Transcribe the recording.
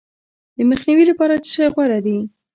د مخنیوي لپاره څه شی غوره دي؟